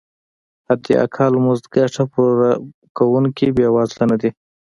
حداقل مزد ګټه پورته کوونکي بې وزله نه دي.